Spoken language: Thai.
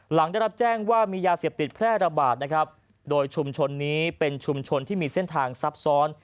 หลังได้รับแจ้งว่ามียาเสพติดแพร่ระบาดนะครับโดยชุมชนนี้เป็นชุมชนที่มีเส้นทางซับซ้อน